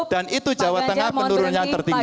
dan itu jawa tengah penurunan yang tertinggi